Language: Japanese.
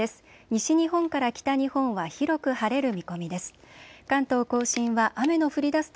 西日本から北日本は広く晴れる見込みです。